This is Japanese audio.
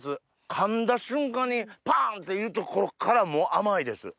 かんだ瞬間にパン！っていうとこっからもう甘いです。